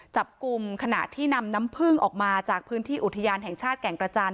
จับกลุ่มขณะที่นำน้ำพึ่งออกมาจากพื้นที่อุทยานแห่งชาติแก่งกระจาน